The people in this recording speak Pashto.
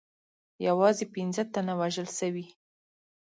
یوازې پنځه تنه وژل سوي.